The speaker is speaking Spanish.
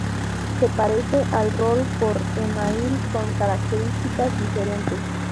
Se parece al Rol por eMail con características diferentes.